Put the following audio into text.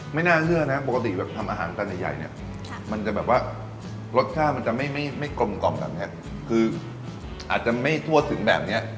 มันน่าเชื่อปกติทำอาหารใหญ่ยังรสชาติไม่กรมกล่อมคืออาจจะไม่ทั่วถึงแบบนี้